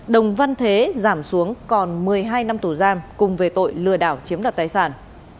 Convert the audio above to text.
đồng văn thế giảm xuống còn một mươi hai năm tù giam cùng về tội lừa đảo chiếm đoạt tài sản